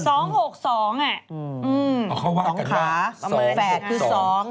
สองหกสองอุ๊ยสองขาแฝดคือสอง